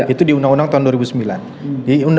itu di undang undang tahun dua ribu sembilan